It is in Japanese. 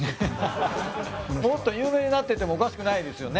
もっと有名になっててもおかしくないですよね